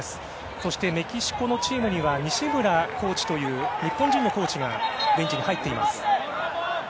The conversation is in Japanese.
そして、メキシコのチームにはニシムラコーチという日本人のコーチがベンチに入っています。